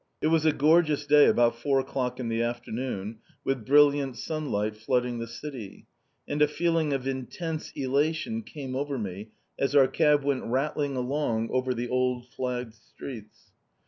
It was a gorgeous day, about four o'clock in the afternoon, with brilliant sunlight flooding the city; and a feeling of intense elation came over me as our cab went rattling along over the old flagged streets.